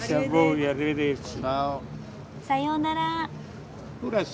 さようなら。